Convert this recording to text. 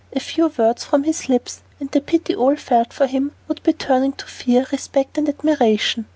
A few words from his lips, and the pity all felt for him would be turned to fear, respect, and admiration.